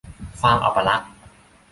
ความอัปลักษณ์